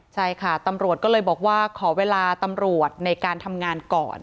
ใช่ค่ะตำรวจก็เลยบอกว่าขอเวลาตำรวจในการทำงานก่อน